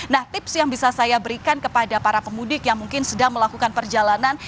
nah tips yang bisa saya berikan kepada para pemudik yang mungkin sedang melakukan perjalanan